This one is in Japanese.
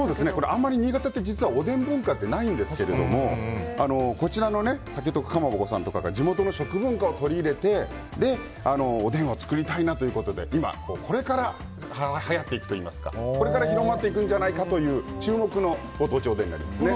あまり新潟って実はおでん文化ってないんですけどこちらの竹徳かまぼこさんとかが地元の食文化を取り入れておでんを作りたいなということでこれから広まっていくんじゃないかという注目のご当地おでんになりますね。